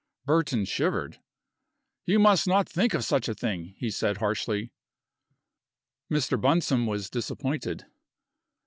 Burton shivered. "You must not think of such a thing!" he said, harshly. Mr. Bunsome was disappointed.